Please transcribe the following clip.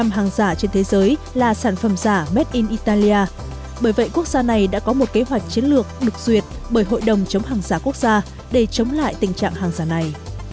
một mươi hàng giả trên thế giới là sản phẩm giả made in italia bởi vậy quốc gia này đã có một kế hoạch chiến lược được duyệt bởi hội đồng chống hàng giả quốc gia để chống lại tình trạng hàng giả này